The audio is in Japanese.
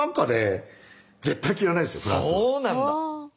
そうなんだ！